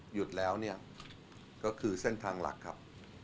หยุดแล้วเนี่ยก็คือเส้นทางหลักครับ